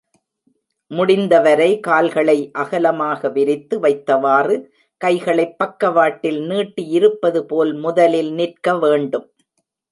முடிந்த வரை கால்களை அகலமாக விரித்து வைத்தவாறு, கைகளைப் பக்கவாட்டில் நீட்டியிருப்பது போல் முதலில் நிற்க வேண்டும்.